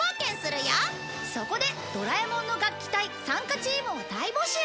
そこでドラえもんの楽器隊参加チームを大募集！